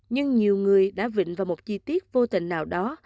nhưng nhiều người đã vịnh vào một chi tiết vô tình nào đó